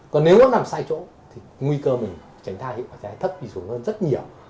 còn nếu nó nằm sai chỗ thì nguy cơ mình tránh thai hiệu quả cháy thấp đi xuống hơn rất nhiều